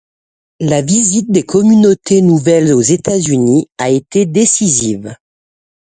La visite des communautés nouvelles aux États-Unis a été décisive.